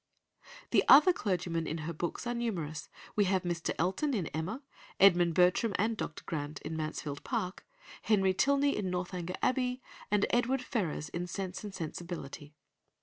The other clergymen in her books are numerous: we have Mr. Elton in Emma, Edmund Bertram and Dr. Grant in Mansfield Park, Henry Tilney in Northanger Abbey, and Edward Ferrars in Sense and Sensibility.